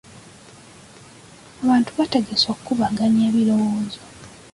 Abantu baategese okukubaganya ebirowoozo.